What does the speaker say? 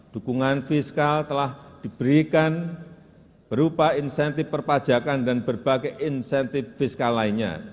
dukungan fiskal telah diberikan berupa insentif perpajakan dan berbagai insentif fiskal lainnya